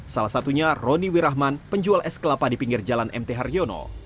salah satunya roni wirahman penjual es kelapa di pinggir jalan mt haryono